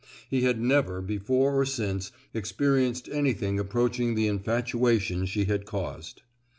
He had never, before or since, experienced anything approaching to the infatuation she had caused.